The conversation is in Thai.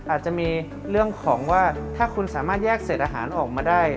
อาจจะมีเรื่องของว่าถ้าคุณสามารถแยกเศษอาหารออกมาได้